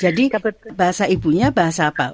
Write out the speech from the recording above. jadi bahasa ibunya bahasa apa